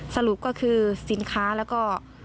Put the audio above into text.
สรุปก็คือสินค้าแล้วก็